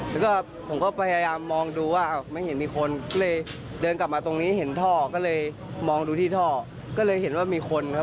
แล้วก็ผมก็พยายามมองดูว่าไม่เห็นมีคนก็เลยเดินกลับมาตรงนี้เห็นท่อก็เลยมองดูที่ท่อก็เลยเห็นว่ามีคนครับ